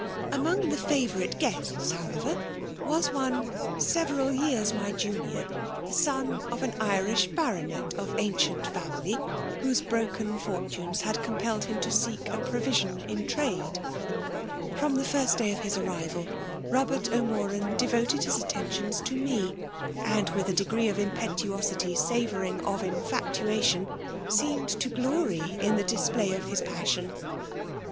" Among the favourite guests^ however^ waa one> several years my junior, the son of an Irish Baronet of ancient family* whose broken fori tunes had compelled him to sock a provision in trade. From the first day of his arrival, Bobert O'Moran devoted his attentions to me; and, with a degree of impetuosity savouring of in* fatuaiion, seemed to glory in the display of his passion. Mrs.